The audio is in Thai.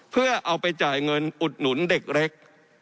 เพื่อเอาไปจ่ายเงินอุดหนุนเด็กเล็ก